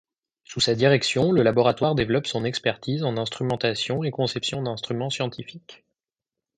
Sous sa direction le laboratoire développe son expertise en instrumentation et conception d'instruments scientifiques.